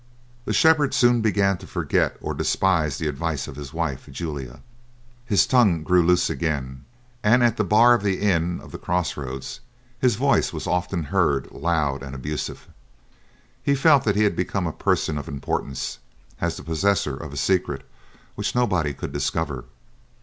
The shepherd soon began to forget or despise the advice of his wife, Julia; his tongue grew loose again, and at the bar of the inn of the crossroads his voice was often heard loud and abusive. He felt that he had become a person of importance, as the possessor of a secret which nobody could discover.